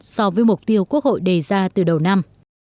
so với mục tiêu quốc hội đề ra từ đầu năm